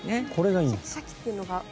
シャキシャキというのが。